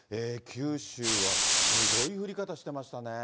九州はすごい降り方してましたね。